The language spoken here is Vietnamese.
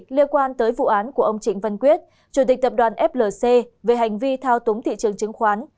liên quan tới vụ án của ông trịnh văn quyết chủ tịch tập đoàn flc về hành vi thao túng thị trường chứng khoán